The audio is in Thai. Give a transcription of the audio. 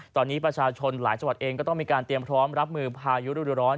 ตอนนี้ประชาชนหลายจังหวัดเองก็ต้องมีการเตรียมพร้อมรับมือพายุฤดูร้อน